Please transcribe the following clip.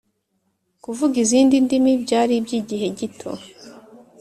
Kuvuga izindi ndimi byari iby igihe gito